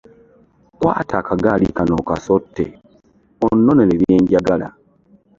Kwata akagaali kano okasotte onnonere bye njagala.